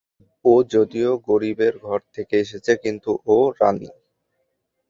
ও যদিও গরিবের ঘর থেকে এসেছে, কিন্তু ও রানী।